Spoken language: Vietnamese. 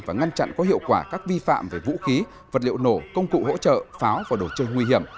và ngăn chặn có hiệu quả các vi phạm về vũ khí vật liệu nổ công cụ hỗ trợ pháo và đồ chơi nguy hiểm